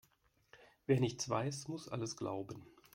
Wer nichts weiß, muss alles glauben.